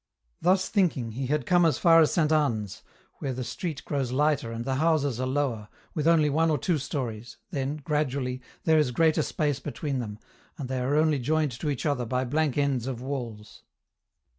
Thus thinking he had come as far as St. Anne's, where the street grows lighter and the houses are lower, with only one or two stories, then, gradually, there is greater space 4 6 EN ROUTE. between them, and they are only joined to each other by blank ends of walls.